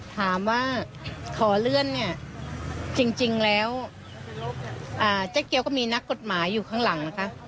ถามว่าขอเลื่อนเนี่ยจริงแล้วเจ๊เกียวก็มีนักกฎหมายอยู่ข้างหลังนะคะ